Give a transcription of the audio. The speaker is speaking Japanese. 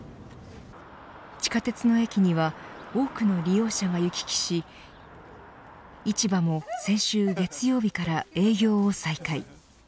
地下鉄の駅には多くの利用者が行き来し市場も先週月曜日から営業を再開。